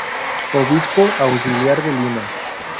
Obispo Auxiliar de Lima.